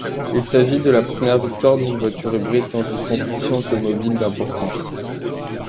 Il s'agit de la première victoire d'une voiture hybride dans une compétition automobile d'importance.